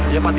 iya pak tio